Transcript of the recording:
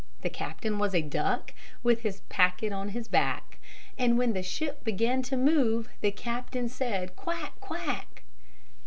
The captain was a duck, With a packet on his back; And when the ship began to move, The captain said, "Quack! Quack!"